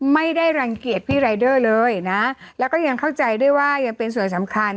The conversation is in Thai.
ไม่ได้รังเกียจพี่รายเดอร์เลยนะแล้วก็ยังเข้าใจด้วยว่ายังเป็นส่วนสำคัญ